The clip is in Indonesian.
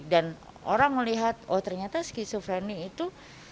dan orang melihat oh ternyata skizofrenia itu